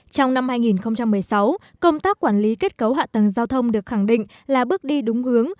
trong năm hai nghìn một mươi sáu công tác quản lý kết cấu hạ tầng giao thông được khẳng định là bước đi đúng hướng